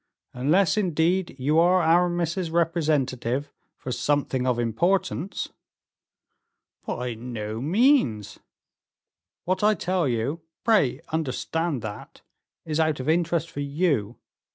"Unless, indeed, you are Aramis's representative for something of importance." "By no means." "What I tell you pray, understand that is out of interest for you.